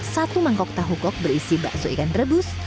satu mangkok tahu kok berisi bakso ikan rebus